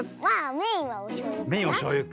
メインはおしょうゆか。